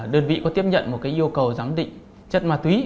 đơn vị có tiếp nhận một yêu cầu giám định chất ma túy